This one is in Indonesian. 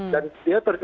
dan dia terjadi